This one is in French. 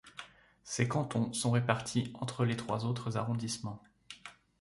Ses cantons sont répartis entre les trois autres arrondissements.